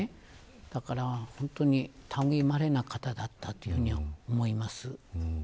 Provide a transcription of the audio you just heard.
だから本当に類まれな方だったというふうに思います。